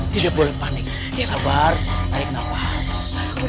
tidak boleh panik sabar naik nafas